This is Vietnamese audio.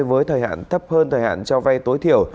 với thời hạn thấp hơn thời hạn cho vay tối thiểu